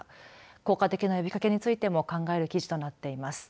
効果的な呼びかけについても考える記事となっています。